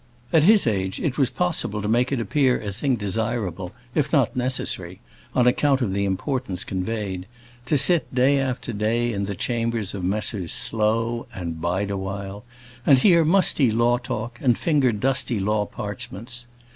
At his age it was possible to make it appear a thing desirable, if not necessary on account of the importance conveyed to sit day after day in the chambers of Messrs Slow & Bideawhile, and hear musty law talk, and finger dusty law parchments.